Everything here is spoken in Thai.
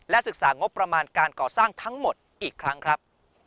ศึกษางบประมาณการก่อสร้างทั้งหมดอีกครั้งครับ